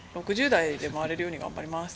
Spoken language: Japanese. ６０台で回れるように頑張ります。